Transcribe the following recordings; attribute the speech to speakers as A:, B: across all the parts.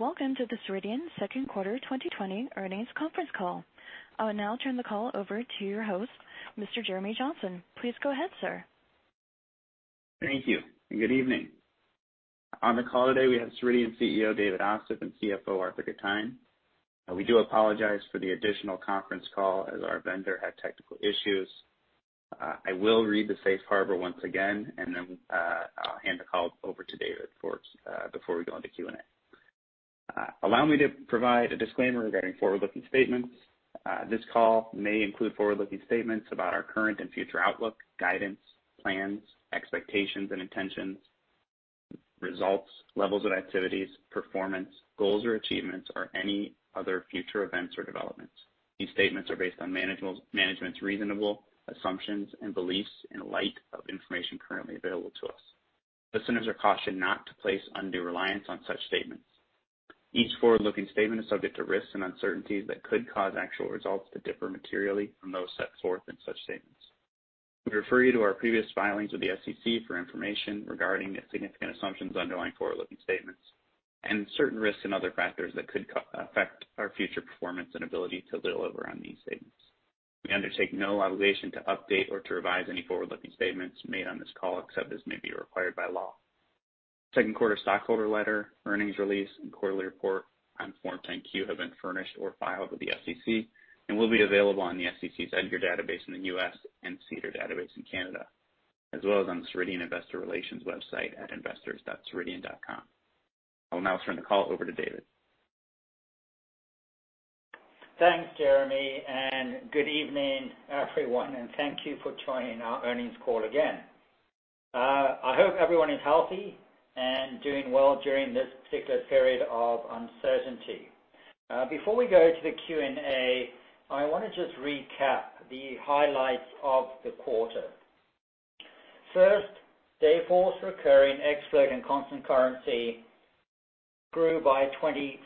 A: Greetings, and welcome to the Ceridian Second Quarter 2020 Earnings Conference Call. I will now turn the call over to your host, Mr. Jeremy Johnson. Please go ahead, sir.
B: Thank you, and good evening. On the call today, we have Ceridian CEO, David Ossip, and CFO, Arthur Gitajn. We do apologize for the additional conference call as our vendor had technical issues. I will read the safe harbor once again and then I'll hand the call over to David before we go into Q&A. Allow me to provide a disclaimer regarding forward-looking statements. This call may include forward-looking statements about our current and future outlook, guidance, plans, expectations and intentions, results, levels of activities, performance, goals or achievements, or any other future events or developments. These statements are based on management's reasonable assumptions and beliefs in light of information currently available to us. Listeners are cautioned not to place undue reliance on such statements. Each forward-looking statement is subject to risks and uncertainties that could cause actual results to differ materially from those set forth in such statements. We refer you to our previous filings with the SEC for information regarding the significant assumptions underlying forward-looking statements and certain risks and other factors that could affect our future performance and ability to deliver on these statements. We undertake no obligation to update or to revise any forward-looking statements made on this call, except as may be required by law. Second quarter stockholder letter, earnings release, and quarterly report on Form 10-Q have been furnished or filed with the SEC and will be available on the SEC's EDGAR database in the U.S. and SEDAR database in Canada, as well as on the Ceridian investor relations website at investors.ceridian.com. I will now turn the call over to David.
C: Thanks, Jeremy. Good evening, everyone, and thank you for joining our earnings call again. I hope everyone is healthy and doing well during this particular period of uncertainty. Before we go to the Q&A, I want to just recap the highlights of the quarter. First, Dayforce recurring ex-float and constant currency grew by 24.2%.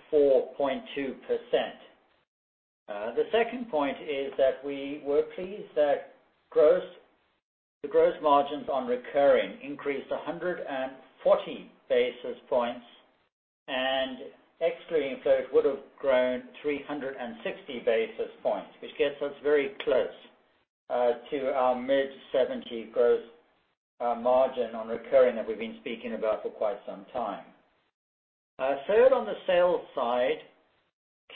C: The second point is that we were pleased that the gross margins on recurring increased 140 basis points, and ex-float would've grown 360 basis points, which gets us very close to our mid-70 gross margin on recurring that we've been speaking about for quite some time. Third, on the sales side,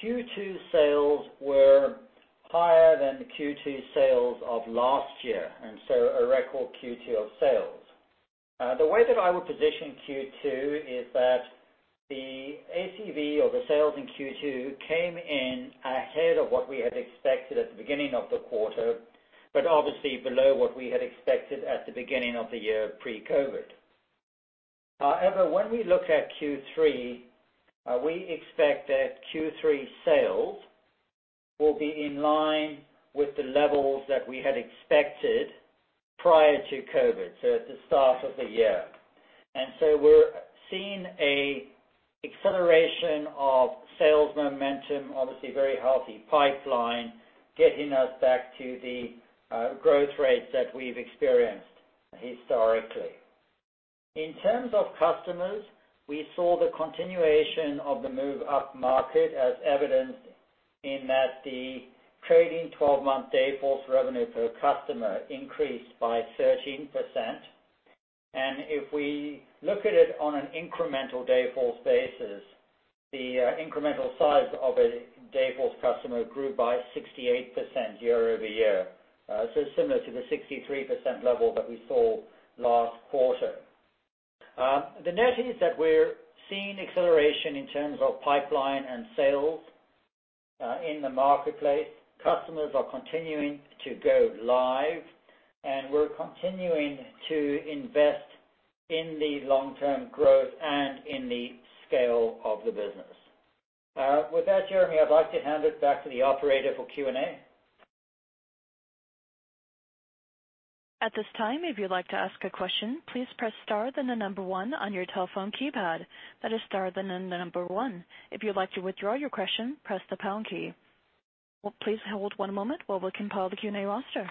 C: Q2 sales were higher than the Q2 sales of last year, a record Q2 of sales. The way that I would position Q2 is that the ACV or the sales in Q2 came in ahead of what we had expected at the beginning of the quarter, but obviously below what we had expected at the beginning of the year pre-COVID. When we look at Q3, we expect that Q3 sales will be in line with the levels that we had expected prior to COVID, so at the start of the year. We're seeing an acceleration of sales momentum, obviously very healthy pipeline, getting us back to the growth rates that we've experienced historically. In terms of customers, we saw the continuation of the move up market as evidenced in that the trailing 12-month Dayforce revenue per customer increased by 13%. If we look at it on an incremental Dayforce basis, the incremental size of a Dayforce customer grew by 68% year-over-year. Similar to the 63% level that we saw last quarter. The net is that we're seeing acceleration in terms of pipeline and sales in the marketplace. Customers are continuing to go live, and we're continuing to invest in the long-term growth and in the scale of the business. With that, Jeremy, I'd like to hand it back to the operator for Q&A.
A: At this time, if you'd like to ask a question, please press star, then the number one on your telephone keypad. That is star, then the number one. If you'd like to withdraw your question, press the pound key. Please hold one moment while we compile the Q&A roster.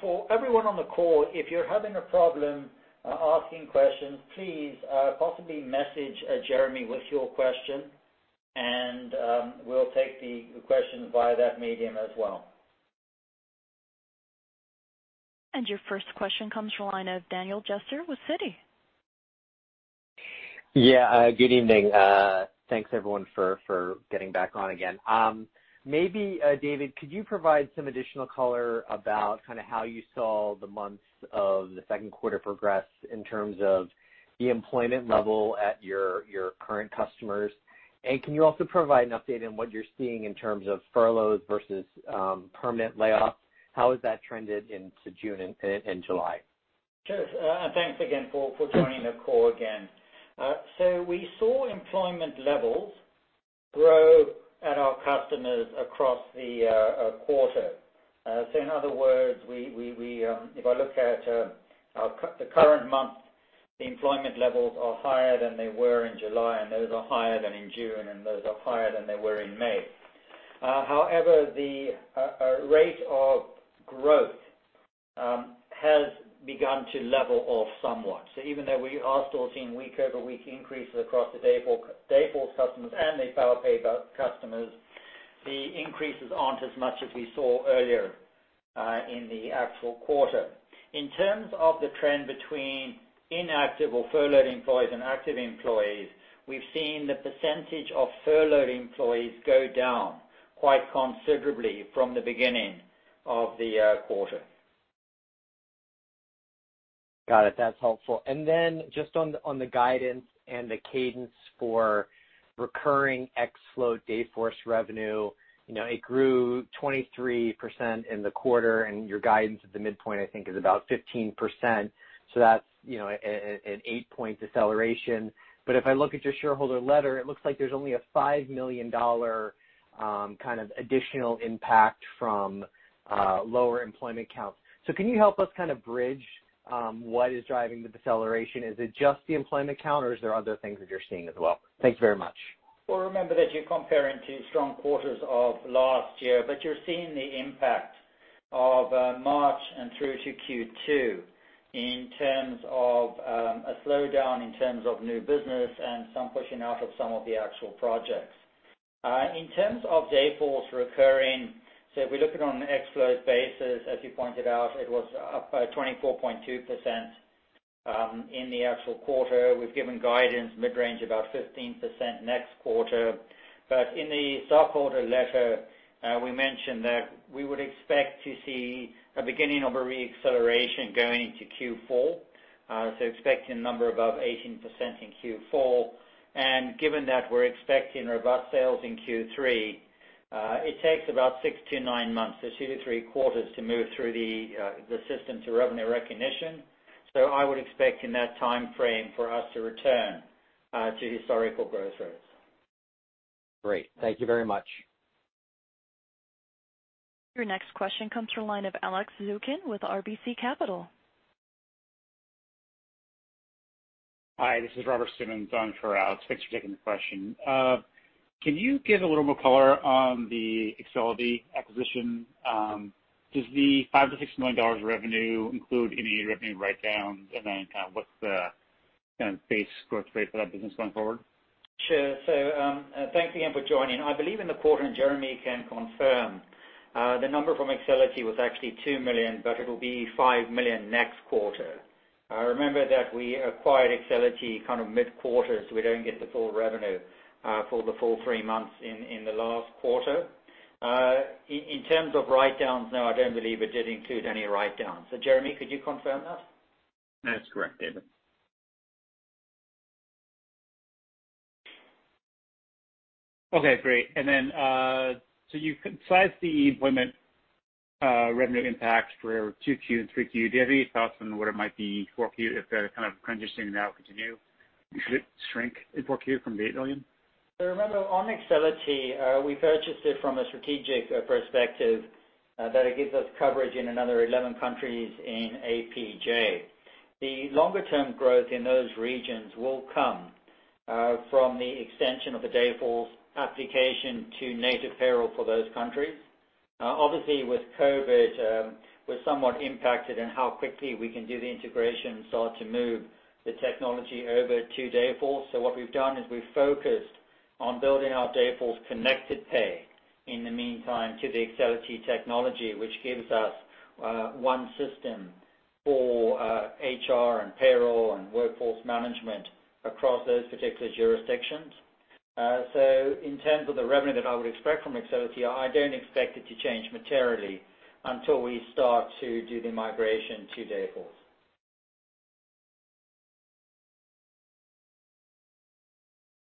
C: For everyone on the call, if you're having a problem asking questions, please possibly message Jeremy with your question and we'll take the question via that medium as well.
A: Your first question comes from the line of Daniel Jester with Citi.
D: Yeah. Good evening. Thanks, everyone, for getting back on again. Maybe, David, could you provide some additional color about how you saw the months of the second quarter progress in terms of the employment level at your current customers? Can you also provide an update on what you're seeing in terms of furloughs versus permanent layoffs? How has that trended into June and July?
C: Sure. Thanks again for joining the call again. We saw employment levels grow at our customers across the quarter. In other words, if I look at the current month, the employment levels are higher than they were in July, and those are higher than in June, and those are higher than they were in May. The rate of growth has begun to level off somewhat. Even though we are still seeing week-over-week increases across the Dayforce customers and the Powerpay customers, the increases aren't as much as we saw earlier in the actual quarter. In terms of the trend between inactive or furloughed employees and active employees, we've seen the percentage of furloughed employees go down quite considerably from the beginning of the quarter.
D: Got it. That's helpful. Just on the guidance and the cadence for recurring ex-float Dayforce revenue, it grew 23% in the quarter, and your guidance at the midpoint, I think, is about 15%. That's an eight point deceleration. If I look at your shareholder letter, it looks like there's only a $5 million additional impact from lower employment counts. Can you help us bridge what is driving the deceleration? Is it just the employment count, or is there other things that you're seeing as well? Thank you very much.
C: Well, remember that you're comparing two strong quarters of last year, but you're seeing the impact of March and through to Q2 in terms of a slowdown in terms of new business and some pushing out of some of the actual projects. In terms of Dayforce recurring, so if we look at it on an ex-float basis, as you pointed out, it was up by 24.2% in the actual quarter. We've given guidance mid-range about 15% next quarter. In the stockholder letter, we mentioned that we would expect to see a beginning of a re-acceleration going into Q4. Expecting a number above 18% in Q4. Given that we're expecting robust sales in Q3, it takes about six to nine months, so two to three quarters to move through the system to revenue recognition. I would expect in that timeframe for us to return to historical growth rates.
D: Great. Thank you very much.
A: Your next question comes from the line of Alex Zukin with RBC Capital Markets.
E: Hi, this is Robert Simmons on for Alex. Thanks for taking the question. Can you give a little more color on the Excelity acquisition? Does the $5 million-$6 million revenue include any revenue write-downs? What's the base growth rate for that business going forward?
C: Sure. Thanks again for joining. I believe in the quarter, and Jeremy can confirm, the number from Excelity was actually $2 million, but it will be $5 million next quarter. Remember that we acquired Excelity mid-quarter, so we don't get the full revenue for the full three months in the last quarter. In terms of write-downs, no, I don't believe it did include any write-downs. Jeremy, could you confirm that?
B: That's correct, David.
E: Okay, great. You could size the employment revenue impact for 2Q and 3Q. Do you have any thoughts on what it might be in 4Q if the kind of crunching now continue? Could it shrink in 4Q from the $8 million?
C: Remember, on Excelity, we purchased it from a strategic perspective that it gives us coverage in another 11 countries in APJ. The longer-term growth in those regions will come from the extension of the Dayforce application to native payroll for those countries. Obviously, with COVID, we're somewhat impacted in how quickly we can do the integration, so to move the technology over to Dayforce. What we've done is we've focused on building out Dayforce ConnectedPay in the meantime to the Excelity technology, which gives us one system for HR and payroll and workforce management across those particular jurisdictions. In terms of the revenue that I would expect from Excelity, I don't expect it to change materially until we start to do the migration to Dayforce.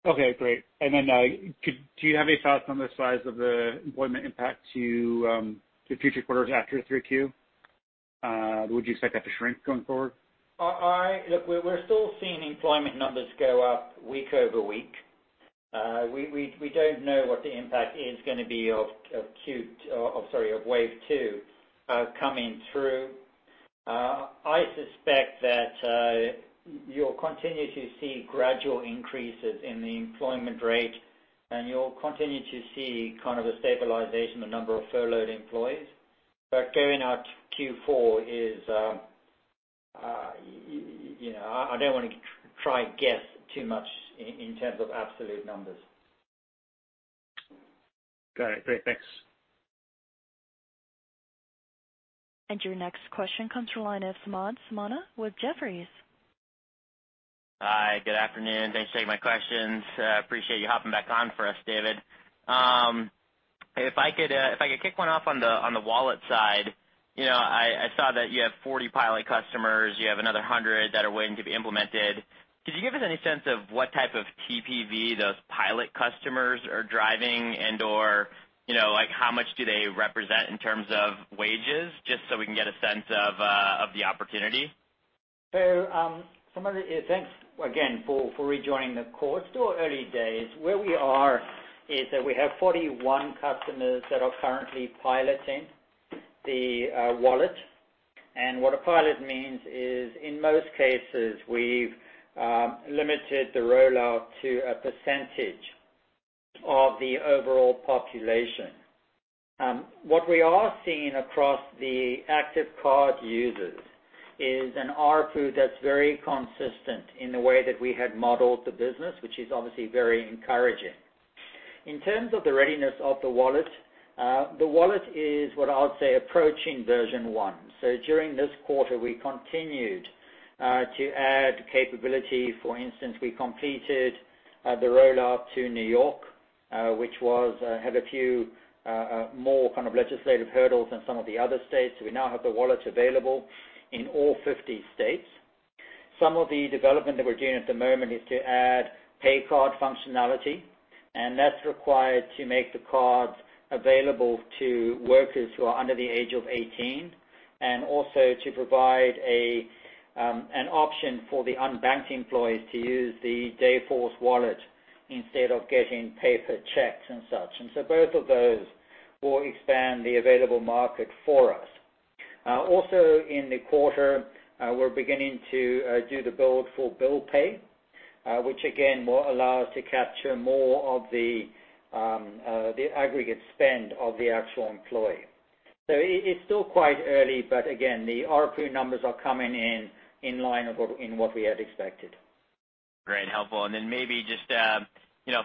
E: Okay, great. Do you have any thoughts on the size of the employment impact to future quarters after 3Q? Would you expect that to shrink going forward?
C: Look, we're still seeing employment numbers go up week over week. We don't know what the impact is going to be of wave two coming through. I suspect that you'll continue to see gradual increases in the employment rate, and you'll continue to see a stabilization, the number of furloughed employees. Going out Q4 I don't want to try and guess too much in terms of absolute numbers.
E: Got it. Great. Thanks.
A: Your next question comes from the line of Samad Samana with Jefferies.
F: Hi, good afternoon. Thanks for taking my questions. I appreciate you hopping back on for us, David. If I could kick one off on the Dayforce Wallet side. I saw that you have 40 pilot customers. You have another 100 that are waiting to be implemented. Could you give us any sense of what type of TPV those pilot customers are driving and/or how much do they represent in terms of wages, just so we can get a sense of the opportunity?
C: Samad, thanks again for rejoining the call. It's still early days. Where we are is that we have 41 customers that are currently piloting the wallet. What a pilot means is in most cases, we've limited the rollout to a percentage of the overall population. What we are seeing across the active card users is an ARPU that's very consistent in the way that we had modeled the business, which is obviously very encouraging. In terms of the readiness of the wallet, the wallet is what I would say, approaching version one. During this quarter, we continued to add capability. For instance, we completed the rollout to New York, which had a few more kind of legislative hurdles than some of the other states. We now have the wallets available in all 50 states. Some of the development that we're doing at the moment is to add pay card functionality, and that's required to make the cards available to workers who are under the age of 18, and also to provide an option for the unbanked employees to use the Dayforce Wallet instead of getting paper checks and such. Both of those will expand the available market for us. In the quarter, we're beginning to do the build for bill pay, which again, will allow us to capture more of the aggregate spend of the actual employee. It's still quite early, but again, the ARPU numbers are coming in line with what we had expected.
F: Great, helpful. Maybe just a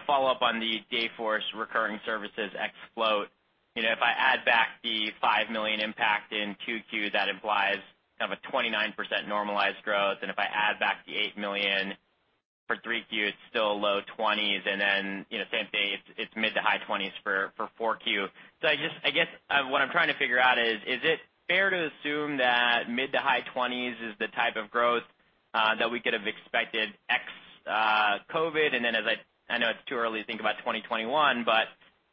F: follow-up on the Dayforce recurring services ex-float. If I add back the $5 million impact in Q2, that implies kind of a 29% normalized growth. If I add back the $8 million for Q3, it's still low twenties. Same thing, it's mid to high 20s for 4Q. I guess what I'm trying to figure out is it fair to assume that mid to high 20s is the type of growth, that we could have expected ex-COVID? I know it's too early to think about 2021, but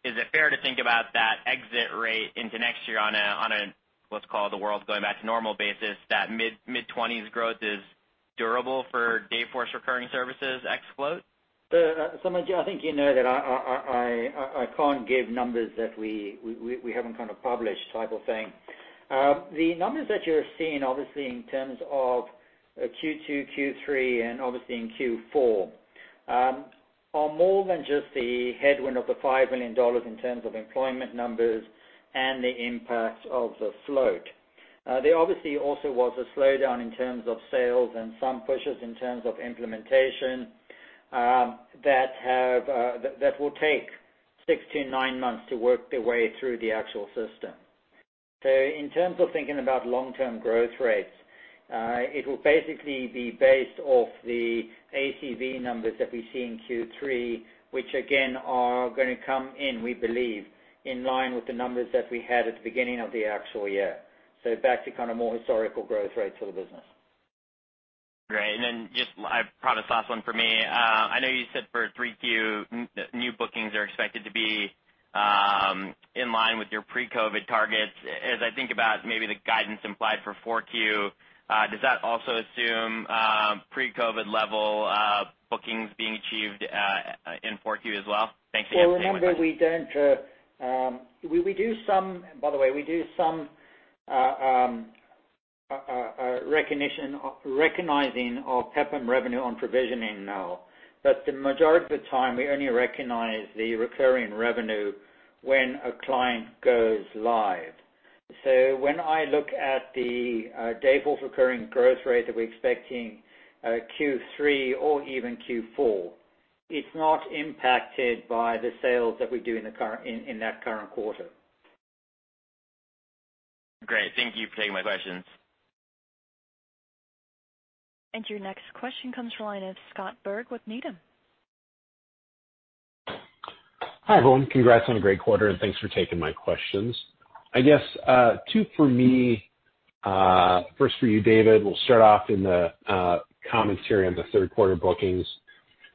F: is it fair to think about that exit rate into next year on a, what's called the world going back to normal basis, that mid-20s growth is durable for Dayforce recurring services ex-float?
C: I think you know that I can't give numbers that we haven't published type of thing. The numbers that you're seeing, obviously, in terms of Q2, Q3, and obviously in Q4, are more than just the headwind of the $5 million in terms of employment numbers and the impact of the float. There obviously also was a slowdown in terms of sales and some pushes in terms of implementation, that will take six to nine months to work their way through the actual system. In terms of thinking about long-term growth rates, it will basically be based off the ACV numbers that we see in Q3, which again, are going to come in, we believe, in line with the numbers that we had at the beginning of the actual year. Back to more historical growth rates for the business.
F: Great. Then just last one for me. I know you said for 3Q, new bookings are expected to be in line with your pre-COVID targets. As I think about maybe the guidance implied for 4Q, does that also assume pre-COVID level bookings being achieved in 4Q as well? Thanks again.
C: Well, remember, by the way, we do some recognizing of PEPM revenue on provisioning now, but the majority of the time, we only recognize the recurring revenue when a client goes live. When I look at the Dayforce recurring growth rate that we're expecting Q3 or even Q4, it's not impacted by the sales that we do in that current quarter.
F: Great. Thank you for taking my questions.
A: Your next question comes from the line of Scott Berg with Needham.
G: Hi, everyone. Congrats on a great quarter and thanks for taking my questions. I guess two for me. First for you, David, we'll start off in the commentary on the third quarter bookings.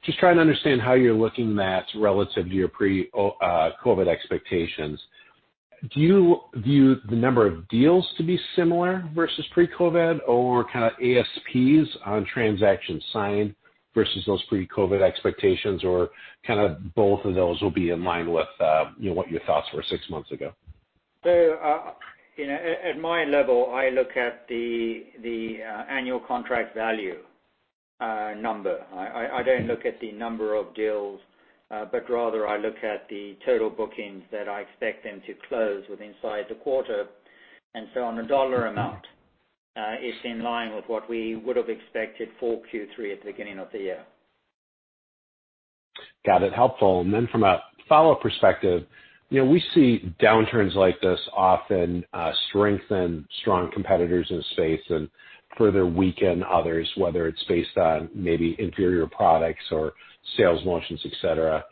G: Just trying to understand how you're looking at that relative to your pre-COVID expectations. Do you view the number of deals to be similar versus pre-COVID, or kind of ASPs on transactions signed versus those pre-COVID expectations? Kind of both of those will be in line with what your thoughts were six months ago?
C: At my level, I look at the annual contract value number. I don't look at the number of deals, but rather I look at the total bookings that I expect them to close with inside the quarter. On a dollar amount, it's in line with what we would have expected for Q3 at the beginning of the year.
G: Got it. Helpful. From a follow-up perspective, we see downturns like this often strengthen strong competitors in the space and further weaken others, whether it's based on maybe inferior products or sales motions, et cetera.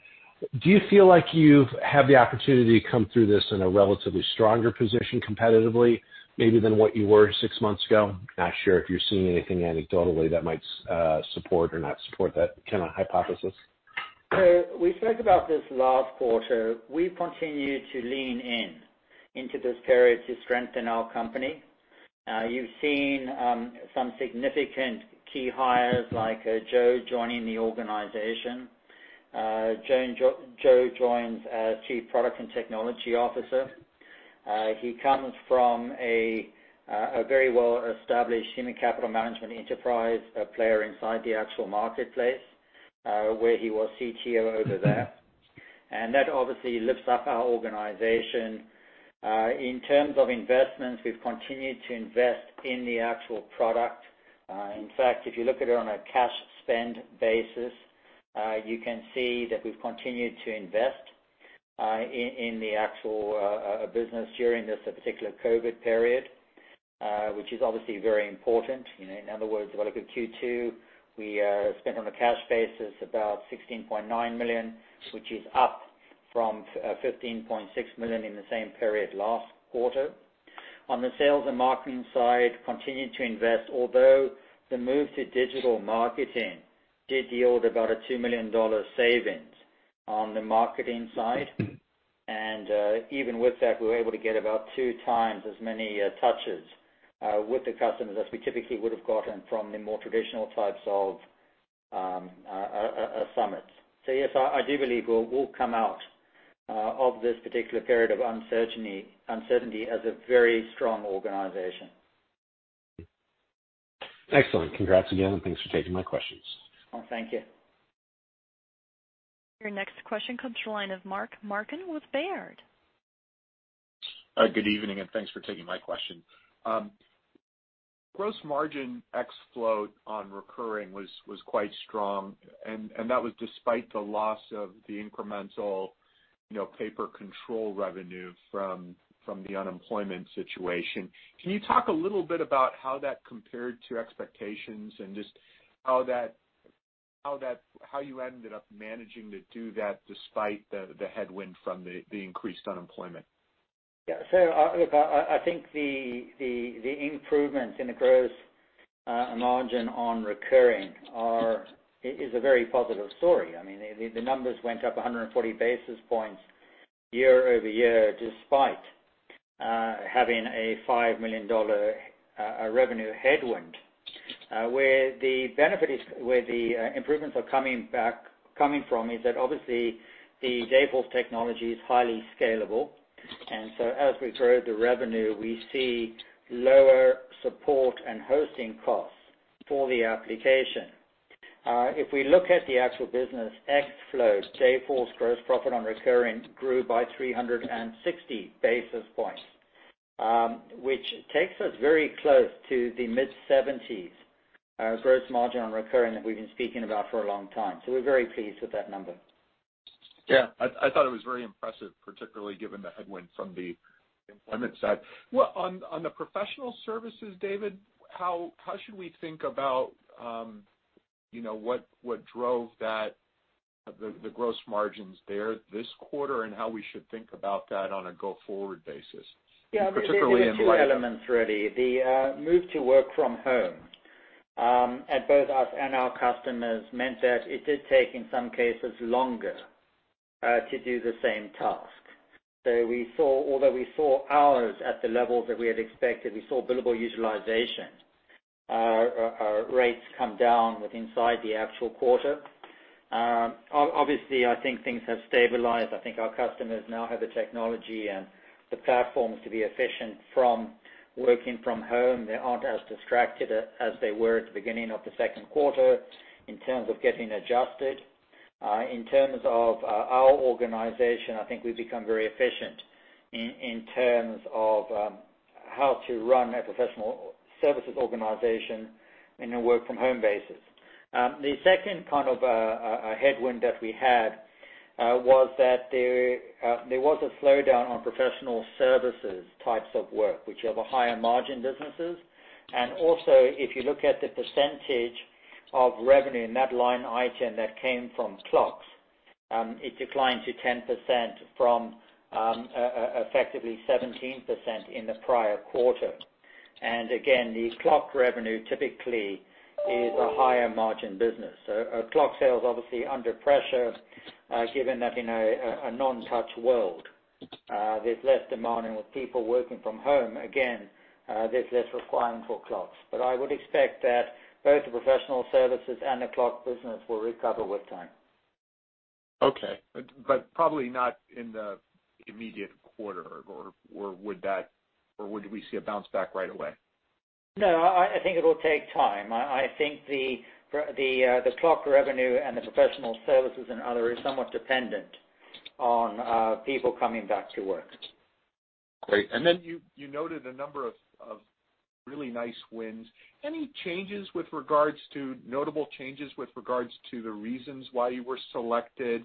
G: Do you feel like you've had the opportunity to come through this in a relatively stronger position competitively maybe than what you were six months ago? Not sure if you're seeing anything anecdotally that might support or not support that kind of hypothesis.
C: We spoke about this last quarter. We continue to lean in into this period to strengthen our company. You've seen some significant key hires like Joe joining the organization. Joe joined as Chief Product and Technology Officer. He comes from a very well-established human capital management enterprise player inside the actual marketplace, where he was CTO over there. That obviously lifts up our organization. In terms of investments, we've continued to invest in the actual product. In fact, if you look at it on a cash spend basis, you can see that we've continued to invest in the actual business during this particular COVID period, which is obviously very important. In other words, if I look at Q2, we spent on a cash basis about $16.9 million, which is up from $15.6 million in the same period last quarter. On the sales and marketing side, continued to invest, although the move to digital marketing did yield about a $2 million savings on the marketing side. Even with that, we were able to get about two times as many touches with the customers as we typically would have gotten from the more traditional types of summits. Yes, I do believe we'll come out of this particular period of uncertainty as a very strong organization.
G: Excellent. Congrats again, and thanks for taking my questions.
C: Well, thank you.
A: Your next question comes from the line of Mark Marcon with Baird.
H: Good evening, and thanks for taking my question. Gross margin ex-float on recurring was quite strong. That was despite the loss of the incremental Powerpay revenue from the unemployment situation. Can you talk a little bit about how that compared to expectations and just how you ended up managing to do that despite the headwind from the increased unemployment?
C: Look, I think the improvements in the gross margin on recurring is a very positive story. I mean, the numbers went up 140 basis points year-over-year, despite having a $5 million revenue headwind. Where the improvements are coming from is that obviously the Dayforce technology is highly scalable. As we grow the revenue, we see lower support and hosting costs for the application. If we look at the actual business ex-float, Dayforce gross profit on recurring grew by 360 basis points, which takes us very close to the mid-70s gross margin on recurring that we've been speaking about for a long time. We're very pleased with that number.
H: Yeah, I thought it was very impressive, particularly given the headwind from the employment side. Well, on the professional services, David, how should we think about what drove the gross margins there this quarter and how we should think about that on a go-forward basis?
C: Yeah. There's two elements, really. The move to work from home, at both us and our customers, meant that it did take, in some cases, longer to do the same task. Although we saw hours at the levels that we had expected, we saw billable utilization rates come down with inside the actual quarter. Obviously, I think things have stabilized. I think our customers now have the technology and the platforms to be efficient from working from home. They aren't as distracted as they were at the beginning of the second quarter in terms of getting adjusted. In terms of our organization, I think we've become very efficient in terms of how to run a professional services organization in a work from home basis. The second kind of a headwind that we had was that there was a slowdown on professional services types of work, which are the higher margin businesses. Also, if you look at the percentage of revenue in that line item that came from clocks, it declined to 10% from effectively 17% in the prior quarter. Again, the clock revenue typically is a higher margin business. Clock sales obviously under pressure, given that in a non-touch world there's less demanding with people working from home. Again, there's less requirement for clocks. I would expect that both the professional services and the clock business will recover with time.
H: Okay. Probably not in the immediate quarter, or would we see a bounce back right away?
C: No, I think it'll take time. I think the clock revenue and the professional services and other is somewhat dependent on people coming back to work.
H: Great. You noted a number of really nice wins. Any notable changes with regards to the reasons why you were selected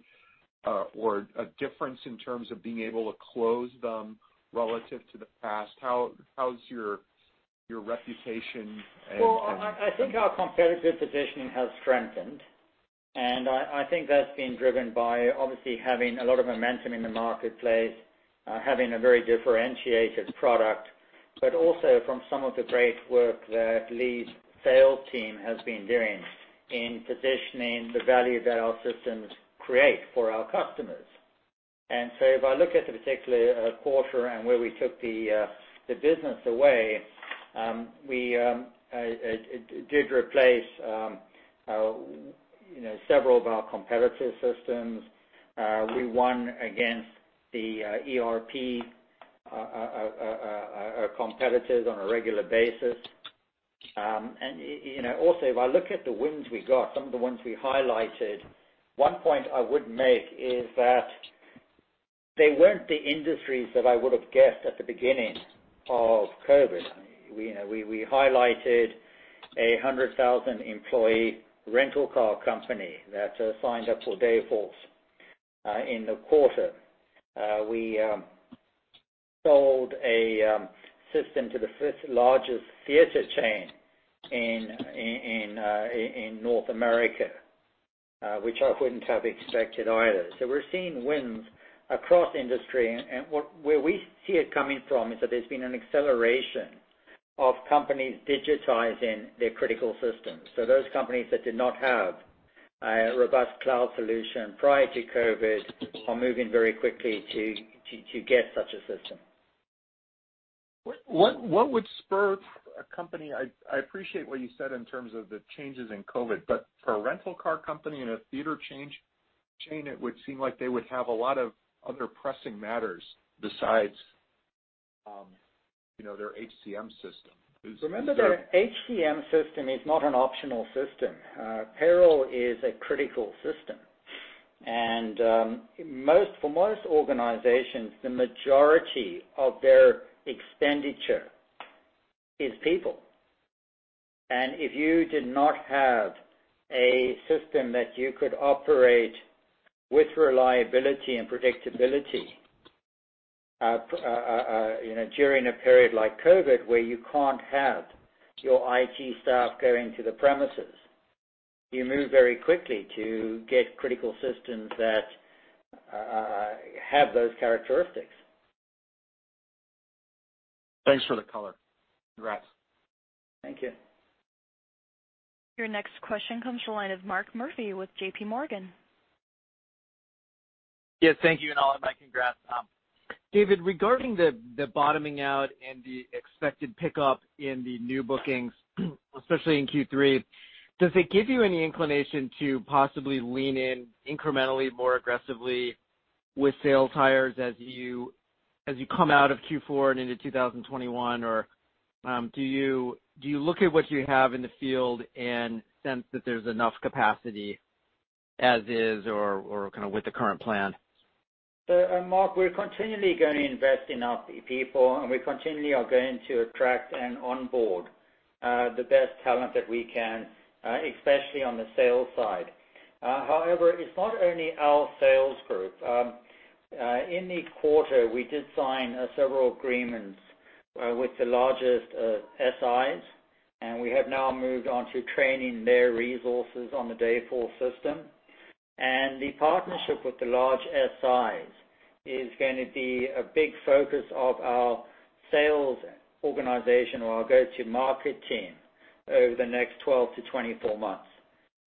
H: or a difference in terms of being able to close them relative to the past? How's your reputation and...
C: I think our competitive positioning has strengthened, and I think that's been driven by obviously having a lot of momentum in the marketplace, having a very differentiated product, but also from some of the great work that Leagh's sales team has been doing in positioning the value that our systems create for our customers. If I look at the particular quarter and where we took the business away, we did replace several of our competitor systems. We won against the ERP competitors on a regular basis. If I look at the wins we got, some of the ones we highlighted, one point I would make is that they weren't the industries that I would've guessed at the beginning of COVID. We highlighted a 100,000-employee rental car company that signed up for Dayforce in the quarter. We sold a system to the largest theater chain in North America which I wouldn't have expected either. We're seeing wins across industry, and where we see it coming from is that there's been an acceleration of companies digitizing their critical systems. Those companies that did not have a robust cloud solution prior to COVID are moving very quickly to get such a system.
H: I appreciate what you said in terms of the changes in COVID, but for a rental car company and a theater chain, it would seem like they would have a lot of other pressing matters besides their HCM system.
C: Remember, their HCM system is not an optional system. Payroll is a critical system. For most organizations, the majority of their expenditure is people. If you did not have a system that you could operate with reliability and predictability during a period like COVID where you can't have your IT staff go into the premises, you move very quickly to get critical systems that have those characteristics.
H: Thanks for the color. Congrats.
C: Thank you.
A: Your next question comes from the line of Mark Murphy with JPMorgan.
I: Yes, thank you, and all of my congrats. David, regarding the bottoming out and the expected pickup in the new bookings, especially in Q3, does it give you any inclination to possibly lean in incrementally more aggressively with sales hires as you come out of Q4 and into 2021? Or do you look at what you have in the field and sense that there's enough capacity as is or with the current plan?
C: Mark, we're continually going to invest in our people, and we continually are going to attract and onboard the best talent that we can especially on the sales side. However, it's not only our sales group. In the quarter, we did sign several agreements with the largest SIs, and we have now moved on to training their resources on the Dayforce system. The partnership with the large SIs is going to be a big focus of our sales organization or our go-to-market team over the next 12-24 months.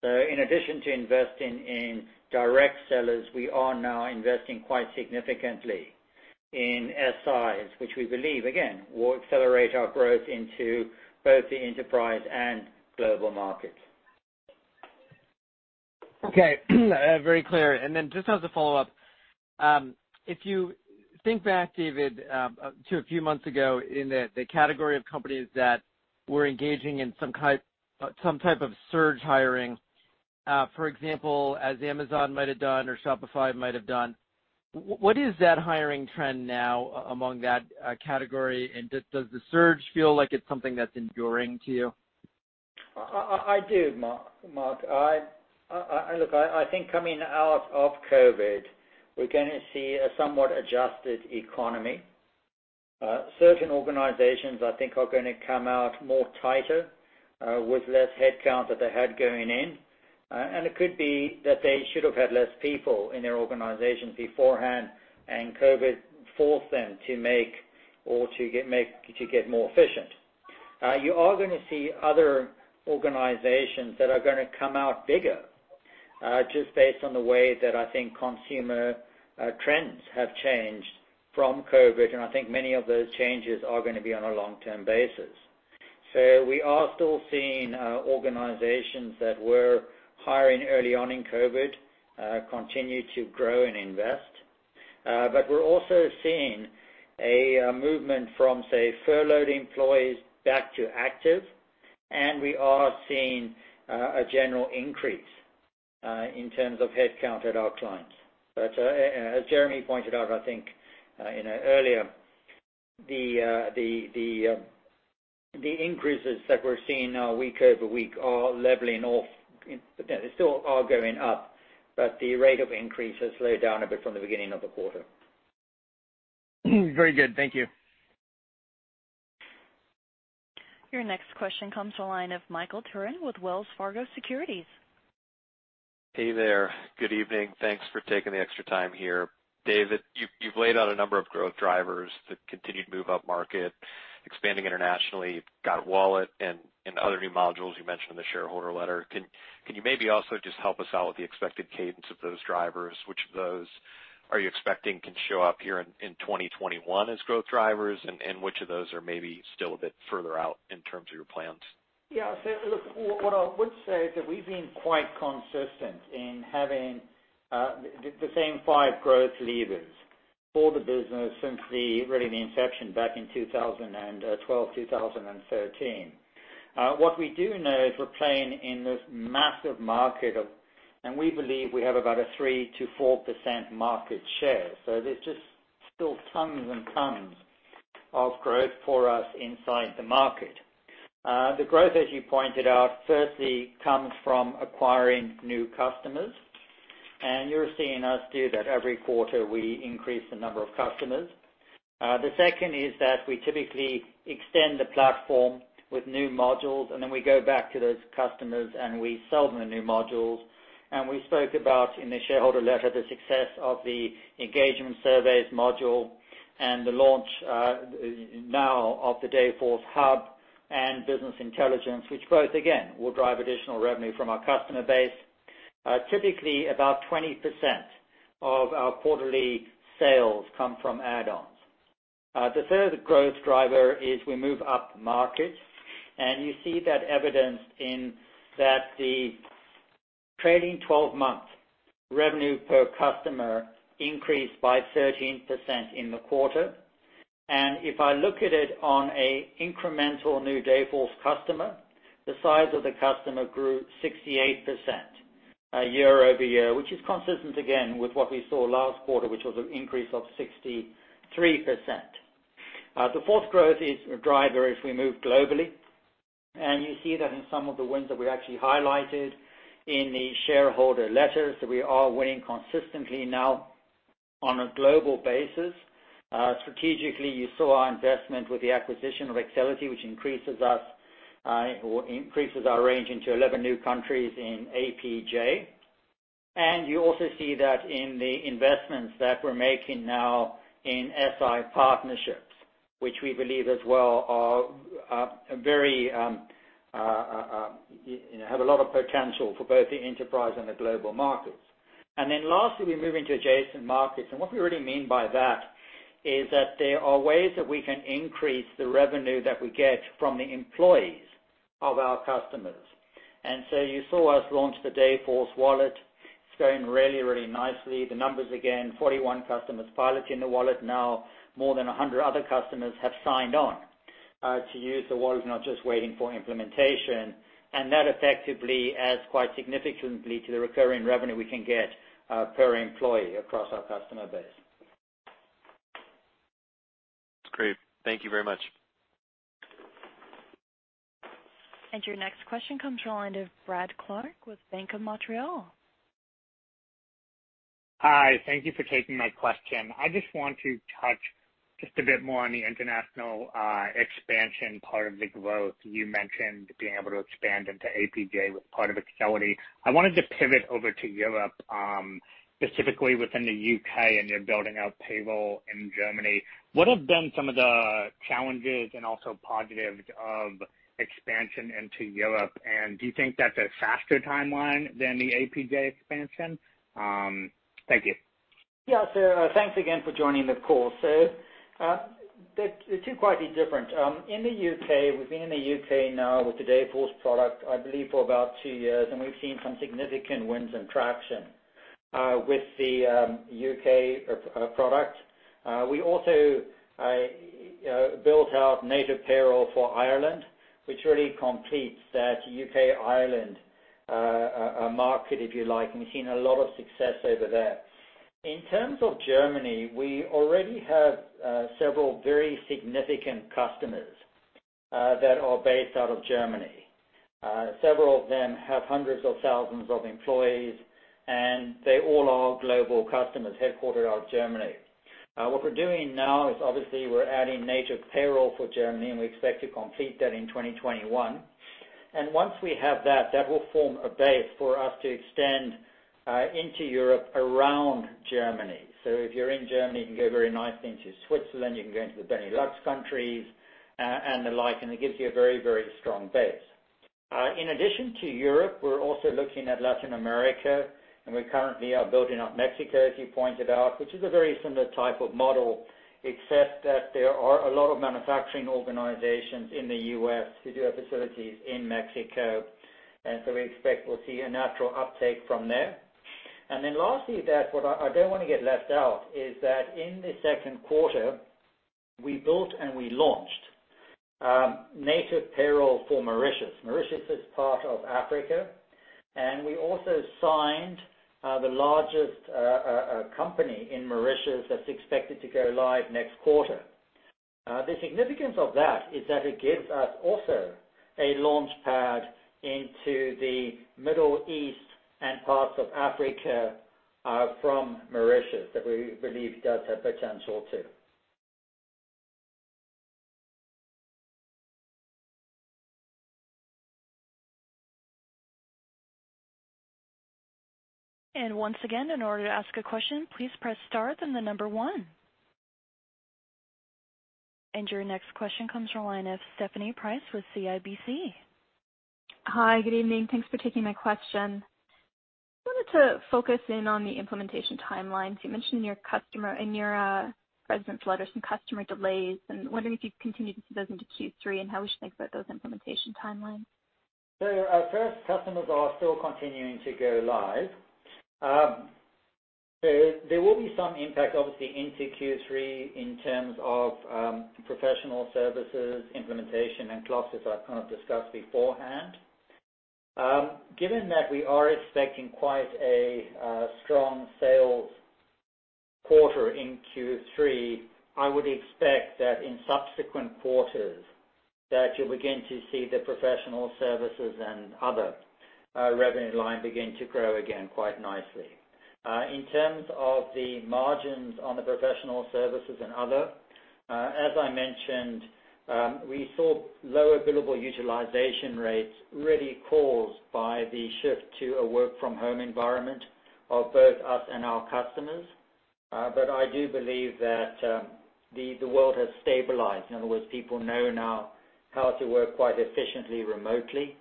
C: In addition to investing in direct sellers, we are now investing quite significantly in SIs, which we believe again, will accelerate our growth into both the enterprise and global market.
I: Okay. Very clear. Just as a follow-up, if you think back, David, to a few months ago in the category of companies that were engaging in some type of surge hiring for example, as Amazon might have done or Shopify might have done, what is that hiring trend now among that category, and does the surge feel like it's something that's enduring to you?
C: I do, Mark. Look, I think coming out of COVID, we're going to see a somewhat adjusted economy. Certain organizations I think are going to come out more tighter with less headcount that they had going in. It could be that they should have had less people in their organizations beforehand, and COVID forced them to get more efficient. You are going to see other organizations that are going to come out bigger just based on the way that I think consumer trends have changed from COVID. I think many of those changes are going to be on a long-term basis. We are still seeing organizations that were hiring early on in COVID continue to grow and invest. We're also seeing a movement from, say, furloughed employees back to active, and we are seeing a general increase in terms of headcount at our clients. As Jeremy pointed out, I think earlier, the increases that we're seeing now week-over-week are leveling off. They still are going up, but the rate of increase has slowed down a bit from the beginning of the quarter.
I: Very good. Thank you.
A: Your next question comes to the line of Michael Turrin with Wells Fargo Securities.
J: Hey there. Good evening. Thanks for taking the extra time here. David, you've laid out a number of growth drivers, the continued move up market, expanding internationally, got Wallet and other new modules you mentioned in the shareholder letter. Can you maybe also just help us out with the expected cadence of those drivers? Which of those are you expecting can show up here in 2021 as growth drivers, and which of those are maybe still a bit further out in terms of your plans?
C: Yeah. Look, what I would say is that we've been quite consistent in having the same five growth levers for the business since really the inception back in 2012, 2013. What we do know is we're playing in this massive market. We believe we have about a 3%-4% market share. There's just still tons and tons of growth for us inside the market. The growth, as you pointed out, firstly comes from acquiring new customers, and you're seeing us do that every quarter, we increase the number of customers. The second is that we typically extend the platform with new modules, and then we go back to those customers, and we sell them the new modules. We spoke about, in the shareholder letter, the success of the engagement surveys module and the launch now of the Dayforce Hub and business intelligence, which both, again, will drive additional revenue from our customer base. Typically, about 20% of our quarterly sales come from add-ons. The third growth driver is we move up market, and you see that evidenced in that the trailing 12 months revenue per customer increased by 13% in the quarter. If I look at it on a incremental new Dayforce customer, the size of the customer grew 68% year-over-year, which is consistent again with what we saw last quarter, which was an increase of 63%. The fourth growth driver is we move globally, and you see that in some of the wins that we actually highlighted in the shareholder letters, that we are winning consistently now on a global basis. Strategically, you saw our investment with the acquisition of Excelity, which increases our range into 11 new countries in APJ. You also see that in the investments that we're making now in SI partnerships, which we believe as well have a lot of potential for both the enterprise and the global markets. Lastly, we move into adjacent markets. What we really mean by that is that there are ways that we can increase the revenue that we get from the employees of our customers. You saw us launch the Dayforce Wallet. It's going really, really nicely. The numbers, again, 41 customers piloting the wallet. Now more than 100 other customers have signed on to use the wallet and are just waiting for implementation. That effectively adds quite significantly to the recurring revenue we can get per employee across our customer base.
J: That's great. Thank you very much.
A: Your next question comes from the line of Brad Clark with BMO Capital Markets.
K: Hi. Thank you for taking my question. I just want to touch just a bit more on the international expansion part of the growth. You mentioned being able to expand into APJ with part of Excelity. I wanted to pivot over to Europe, specifically within the U.K., and you're building out payroll in Germany. What have been some of the challenges and also positives of expansion into Europe, and do you think that's a faster timeline than the APJ expansion? Thank you.
C: Yeah. Thanks again for joining the call. The two are quite different. In the U.K., we've been in the U.K. now with the Dayforce product, I believe, for about two years, and we've seen some significant wins and traction with the U.K. product. We also built out native payroll for Ireland, which really completes that U.K., Ireland market, if you like, and we've seen a lot of success over there. In terms of Germany, we already have several very significant customers that are based out of Germany. Several of them have hundreds of thousands of employees, and they all are global customers headquartered out of Germany. What we're doing now is obviously we're adding native payroll for Germany, and we expect to complete that in 2021. Once we have that will form a base for us to extend into Europe around Germany. If you're in Germany, you can go very nicely into Switzerland, you can go into the Benelux countries and the like, and it gives you a very, very strong base. In addition to Europe, we're also looking at Latin America, and we currently are building out Mexico, as you pointed out, which is a very similar type of model, except that there are a lot of manufacturing organizations in the U.S. who do have facilities in Mexico. We expect we'll see a natural uptake from there. Lastly, that what I don't want to get left out is that in the second quarter, we built and we launched native payroll for Mauritius. Mauritius is part of Africa, and we also signed the largest company in Mauritius that's expected to go live next quarter. The significance of that is that it gives us also a launchpad into the Middle East and parts of Africa from Mauritius that we believe does have potential too.
A: Once again, in order to ask a question, please press star then the number one. Your next question comes from the line of Stephanie Price with CIBC Capital Markets.
L: Hi. Good evening. Thanks for taking my question. I wanted to focus in on the implementation timelines. You mentioned in your president's letter some customer delays, and wondering if you'd continue to see those into Q3, and how we should think about those implementation timelines.
C: Our first customers are still continuing to go live. There will be some impact, obviously, into Q3 in terms of professional services, implementation and costs, as I kind of discussed beforehand. Given that we are expecting quite a strong sales quarter in Q3, I would expect that in subsequent quarters that you'll begin to see the professional services and other revenue line begin to grow again quite nicely. In terms of the margins on the professional services and other, as I mentioned, we saw lower billable utilization rates really caused by the shift to a work from home environment of both us and our customers. I do believe that the world has stabilized. In other words, people know now how to work quite efficiently remotely.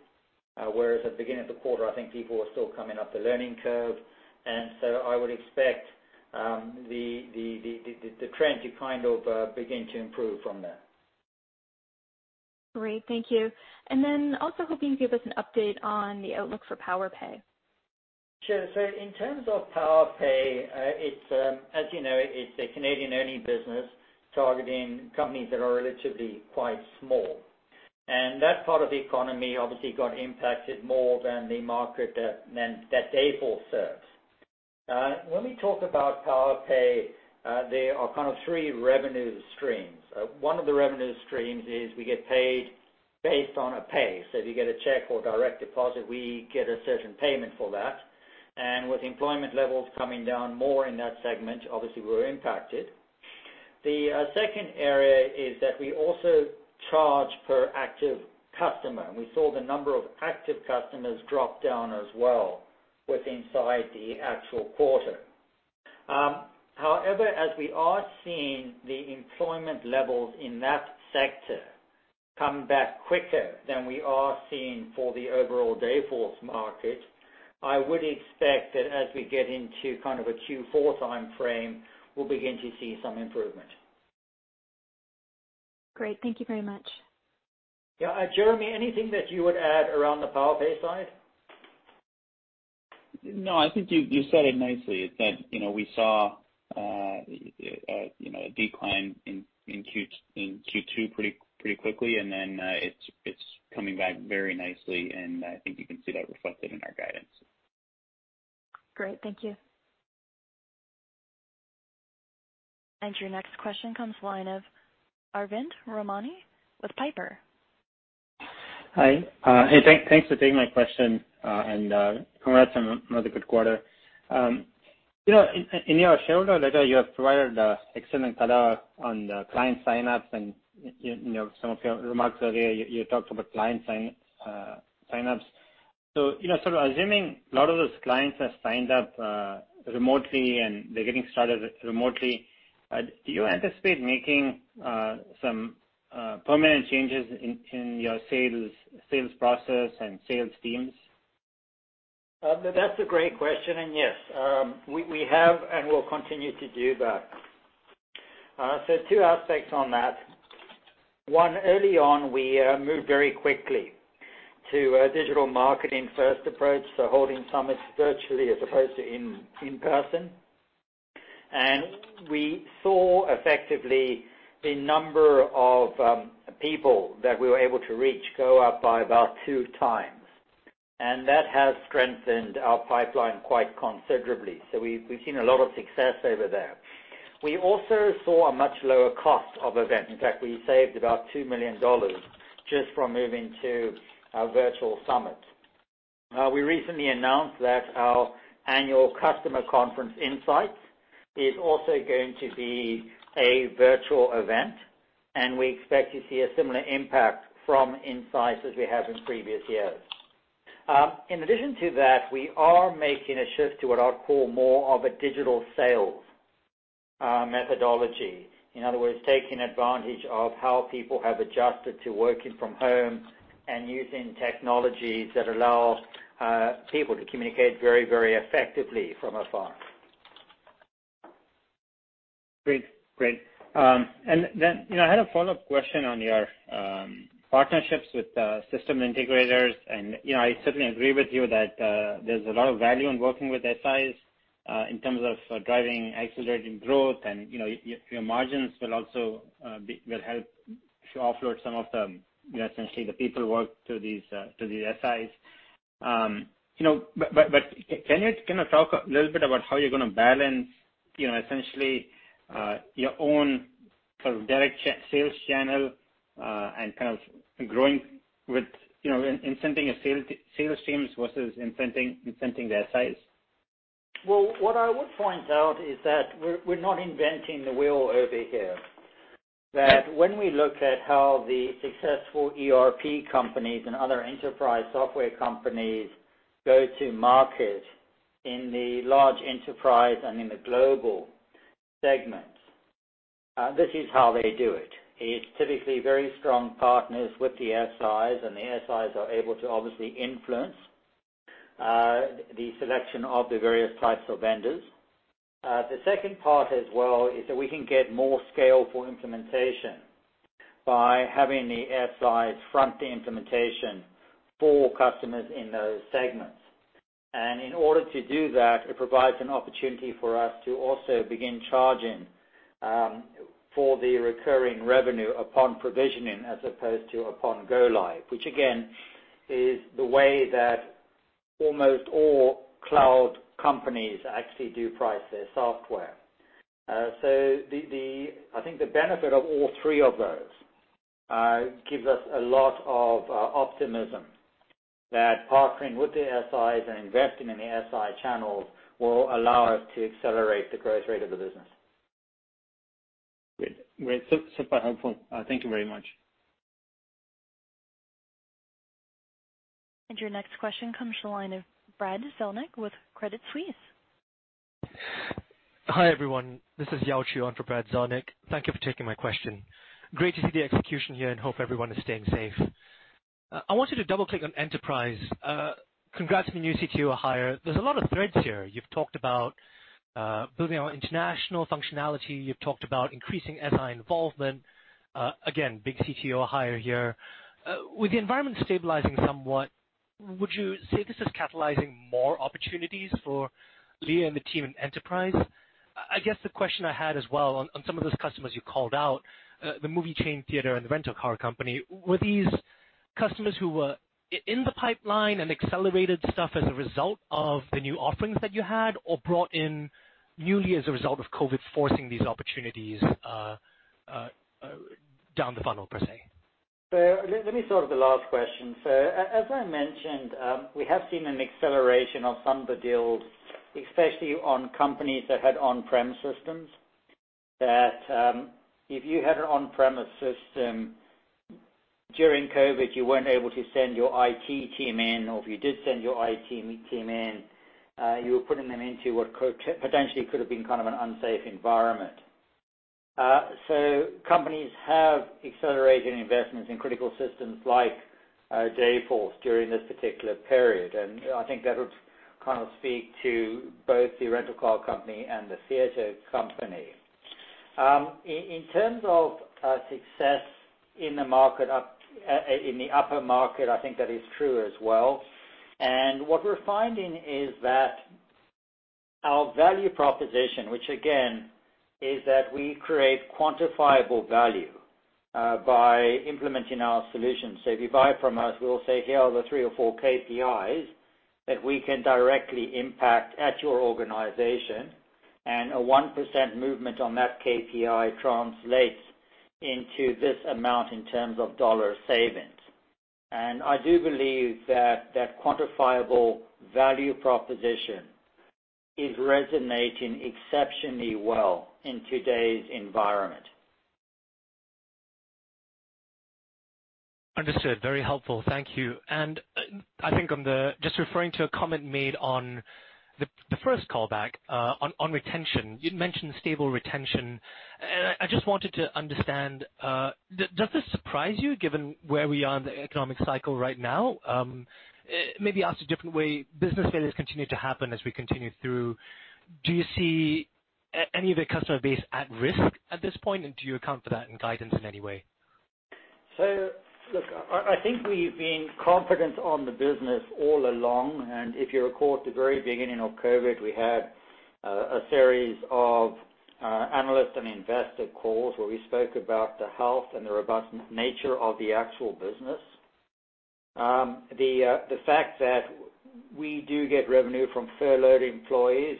C: Whereas at the beginning of the quarter, I think people were still coming up the learning curve. I would expect the trend to kind of begin to improve from there.
L: Great. Thank you. Also hoping you give us an update on the outlook for Powerpay.
C: Sure. In terms of Powerpay, as you know, it's a Canadian-only business targeting companies that are relatively quite small. That part of the economy obviously got impacted more than the market that Dayforce serves. When we talk about Powerpay, there are kind of three revenue streams. One of the revenue streams is we get paid based on a pay. If you get a check or direct deposit, we get a certain payment for that. With employment levels coming down more in that segment, obviously we're impacted. The second area is that we also charge per active customer. We saw the number of active customers drop down as well with inside the actual quarter. However, as we are seeing the employment levels in that sector come back quicker than we are seeing for the overall Dayforce market, I would expect that as we get into kind of a Q4 timeframe, we'll begin to see some improvement.
L: Great. Thank you very much.
C: Yeah. Jeremy, anything that you would add around the Powerpay side?
B: No, I think you said it nicely. It's that we saw a decline in Q2 pretty quickly, and then it's coming back very nicely, and I think you can see that reflected in our guidance.
A: Great. Thank you. Your next question comes the line of Arvind Ramnani with Piper.
M: Hi. Hey, thanks for taking my question. Congrats on another good quarter. In your shareholder letter, you have provided excellent color on the client sign-ups and some of your remarks earlier, you talked about client sign-ups. Assuming a lot of those clients have signed up remotely, and they're getting started remotely, do you anticipate making some permanent changes in your sales process and sales teams?
C: That's a great question. Yes, we have and we'll continue to do that. Two aspects on that. One, early on, we moved very quickly to a digital marketing first approach, so holding summits virtually as opposed to in person. We saw effectively the number of people that we were able to reach go up by about two times. That has strengthened our pipeline quite considerably. We've seen a lot of success over there. We also saw a much lower cost of event. In fact, we saved about $2 million just from moving to our virtual summit. We recently announced that our annual customer conference Insights is also going to be a virtual event, and we expect to see a similar impact from Insights as we have in previous years. In addition to that, we are making a shift to what I'd call more of a digital sales methodology. In other words, taking advantage of how people have adjusted to working from home and using technologies that allow people to communicate very effectively from afar.
M: Great. I had a follow-up question on your partnerships with Systems Integrators. I certainly agree with you that there's a lot of value in working with SIs in terms of driving, accelerating growth, and your margins will help to offload some of the, essentially the people work to these SIs. Can you kind of talk a little bit about how you're going to balance essentially, your own sort of direct sales channel, and kind of growing with incenting your sales teams versus incenting their SIs?
C: Well, what I would point out is that we're not inventing the wheel over here. When we look at how the successful ERP companies and other enterprise software companies go to market in the large enterprise and in the global segment. This is how they do it. It's typically very strong partners with the SIs, and the SIs are able to obviously influence the selection of the various types of vendors. The second part as well is that we can get more scale for implementation by having the SIs front the implementation for customers in those segments. In order to do that, it provides an opportunity for us to also begin charging for the recurring revenue upon provisioning as opposed to upon go live, which again, is the way that almost all cloud companies actually do price their software. I think the benefit of all three of those gives us a lot of optimism that partnering with the SIs and investing in the SI channels will allow us to accelerate the growth rate of the business.
M: Great. Super helpful. Thank you very much.
A: Your next question comes to the line of Brad Zelnick with Credit Suisse.
N: Hi, everyone. This is Yao Chew on for Brad Zelnick. Thank you for taking my question. Great to see the execution here and hope everyone is staying safe. I want you to double-click on enterprise. Congrats on the new CTO hire. There's a lot of threads here. You've talked about building out international functionality. You've talked about increasing SI involvement. Again, big CTO hire here. With the environment stabilizing somewhat, would you say this is catalyzing more opportunities for Leagh and the team in enterprise? I guess the question I had as well on some of those customers you called out, the movie chain theater and the rental car company, were these customers who were in the pipeline and accelerated stuff as a result of the new offerings that you had or brought in newly as a result of COVID forcing these opportunities down the funnel, per se?
C: Let me start with the last question. As I mentioned, we have seen an acceleration of some of the deals, especially on companies that had on-prem systems, that if you had an on-premise system during COVID, you weren't able to send your IT team in, or if you did send your IT team in, you were putting them into what potentially could have been kind of an unsafe environment. Companies have accelerated investments in critical systems like Dayforce during this particular period. I think that would kind of speak to both the rental car company and the theater company. In terms of success in the upper market, I think that is true as well. What we're finding is that our value proposition, which again is that we create quantifiable value by implementing our solution. If you buy from us, we'll say, Here are the three or four KPIs that we can directly impact at your organization, and a 1% movement on that KPI translates into this amount in terms of dollar savings. I do believe that quantifiable value proposition is resonating exceptionally well in today's environment.
N: Understood. Very helpful. Thank you. I think on the-- just referring to a comment made on the first call back on retention. You'd mentioned stable retention. I just wanted to understand, does this surprise you given where we are in the economic cycle right now? Maybe asked a different way, business failures continue to happen as we continue through. Do you see any of your customer base at risk at this point? Do you account for that in guidance in any way?
C: Look, I think we've been confident on the business all along, and if you recall at the very beginning of COVID, we had a series of analyst and investor calls where we spoke about the health and the robust nature of the actual business. The fact that we do get revenue from furloughed employees,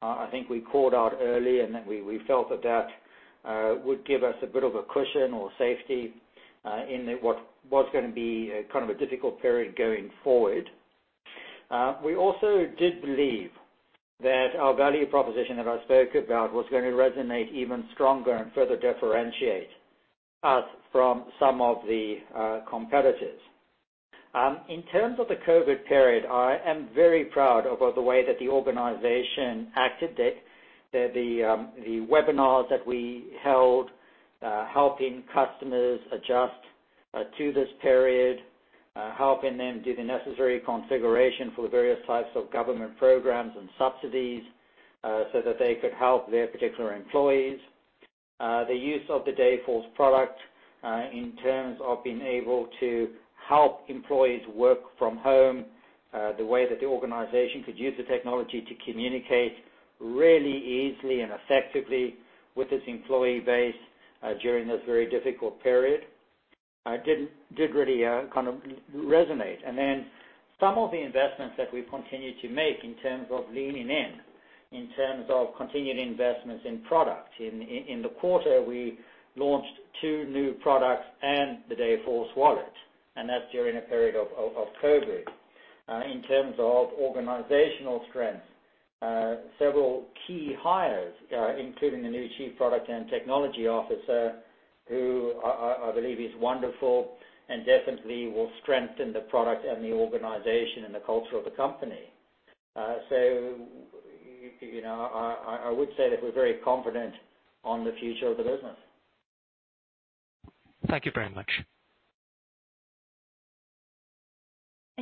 C: I think we called out early and then we felt that that would give us a bit of a cushion or safety in what was going to be a kind of a difficult period going forward. We also did believe that our value proposition that I spoke about was going to resonate even stronger and further differentiate us from some of the competitors. In terms of the COVID period, I am very proud about the way that the organization acted. The webinars that we held, helping customers adjust to this period, helping them do the necessary configuration for the various types of government programs and subsidies so that they could help their particular employees. The use of the Dayforce product in terms of being able to help employees work from home, the way that the organization could use the technology to communicate really easily and effectively with its employee base during this very difficult period did really kind of resonate. Some of the investments that we've continued to make in terms of leaning in terms of continued investments in product. In the quarter, we launched two new products and the Dayforce Wallet, and that's during a period of COVID. In terms of organizational strength, several key hires including the new Chief Product and Technology Officer, who I believe is wonderful and definitely will strengthen the product and the organization and the culture of the company. I would say that we're very confident on the future of the business.
N: Thank you very much.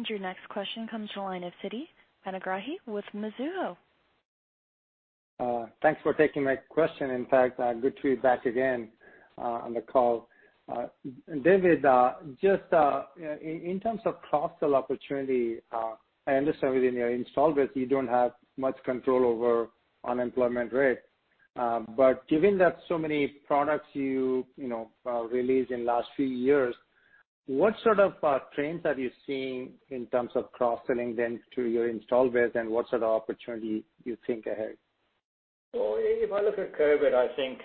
A: Your next question comes to line of Siti Panigrahi with Mizuho.
O: Thanks for taking my question. In fact, good to be back again on the call. David, just in terms of cross-sell opportunity, I understand within your install base, you don't have much control over unemployment rate. Given that so many products you released in last few years, what sort of trends are you seeing in terms of cross-selling them to your install base, and what sort of opportunity you think ahead?
C: If I look at COVID, I think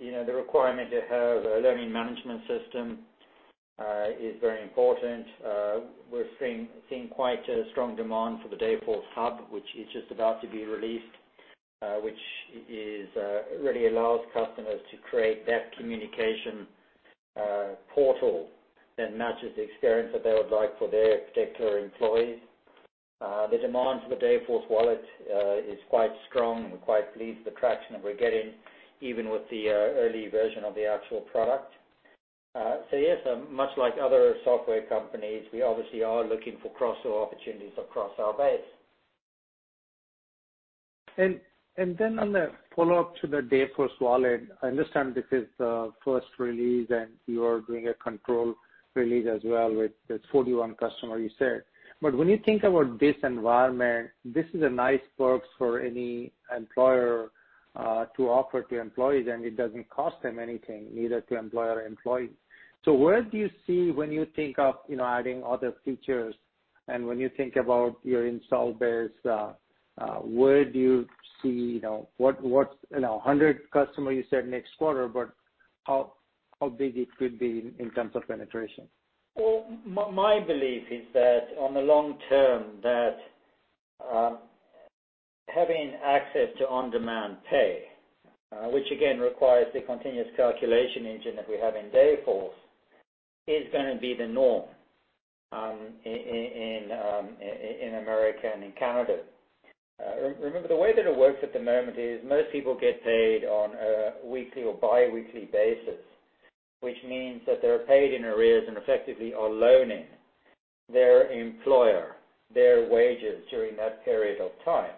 C: the requirement to have a learning management system is very important. We're seeing quite a strong demand for the Dayforce Hub, which is just about to be released, which really allows customers to create that communication portal that matches the experience that they would like for their particular employees. The demand for the Dayforce Wallet is quite strong. We're quite pleased with the traction that we're getting, even with the early version of the actual product. Yes, much like other software companies, we obviously are looking for cross-sell opportunities across our base.
O: On the follow-up to the Dayforce Wallet, I understand this is the first release and you are doing a control release as well with this 41 customer you said. When you think about this environment, this is a nice perk for any employer to offer to employees, and it doesn't cost them anything, neither to employer or employee. Where do you see when you think of adding other features and when you think about your install base where do you see, what's 100 customer you said next quarter, but how big it could be in terms of penetration?
C: Well, my belief is that on the long term, that having access to on-demand pay which again requires the continuous calculation engine that we have in Dayforce, is going to be the norm in America and in Canada. Remember, the way that it works at the moment is most people get paid on a weekly or biweekly basis, which means that they're paid in arrears and effectively are loaning their employer their wages during that period of time.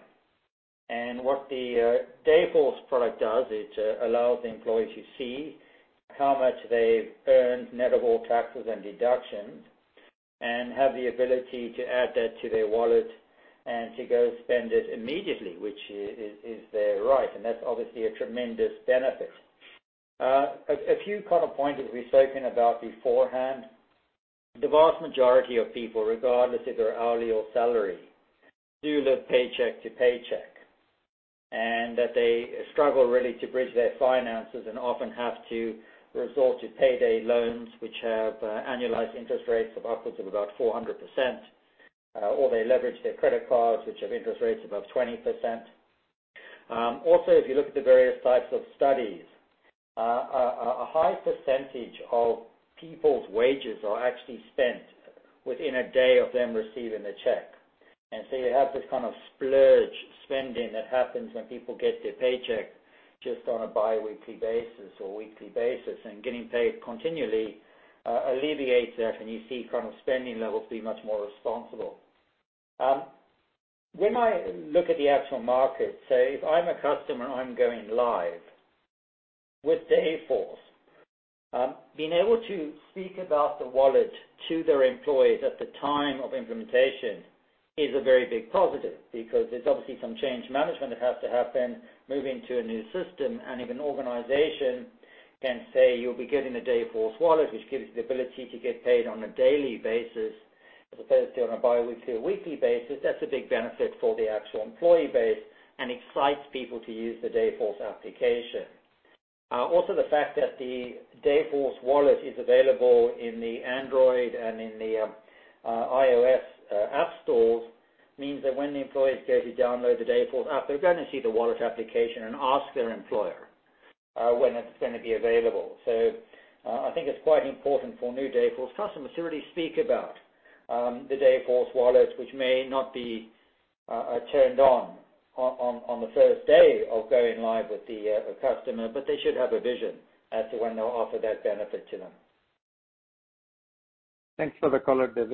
C: What the Dayforce product does, it allows employees to see how much they've earned net of all taxes and deductions, and have the ability to add that to their wallet and to go spend it immediately, which is their right. That's obviously a tremendous benefit. A few counterpoints that we spoken about beforehand. The vast majority of people, regardless if they're hourly or salary, do live paycheck to paycheck, and that they struggle really to bridge their finances and often have to resort to payday loans, which have annualized interest rates of upwards of about 400%. They leverage their credit cards, which have interest rates above 20%. Also, if you look at the various types of studies, a high percentage of people's wages are actually spent within a day of them receiving the check. You have this splurge spending that happens when people get their paycheck just on a biweekly basis or weekly basis, and getting paid continually alleviates that, and you see spending levels be much more responsible. When I look at the actual market, say, if I'm a customer and I'm going live with Dayforce being able to speak about the Wallet to their employees at the time of implementation is a very big positive because there's obviously some change management that has to happen moving to a new system. If an organization can say, you'll be getting a Dayforce Wallet, which gives you the ability to get paid on a daily basis as opposed to on a biweekly or weekly basis, that's a big benefit for the actual employee base and excites people to use the Dayforce application. Also, the fact that the Dayforce Wallet is available in the Android and in the iOS app stores means that when the employees go to download the Dayforce app, they're going to see the Wallet application and ask their employer when it's going to be available. I think it's quite important for new Dayforce customers to really speak about the Dayforce Wallet, which may not be turned on the first day of going live with the customer, but they should have a vision as to when they'll offer that benefit to them.
O: Thanks for the color, David.